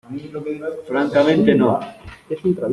francamente no.